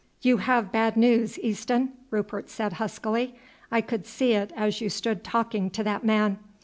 "You have bad news, Easton," Rupert said huskily. "I could see it as you stood talking to that man."